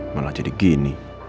malah jadi gini